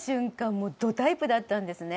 もうどタイプだったんですね。